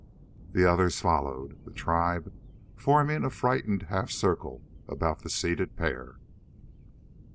The others followed, the tribe forming a frightened half circle about the seated pair.